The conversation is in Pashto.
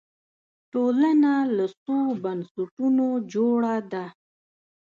ټولنه له څو بنسټونو جوړه ده